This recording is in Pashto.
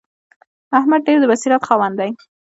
احمد ډېر د بصیرت خاوند انسان دی.